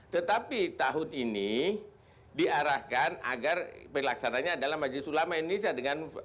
tetapi tahun ini diarahkan agar pelaksananya adalah majelis ulama indonesia dengan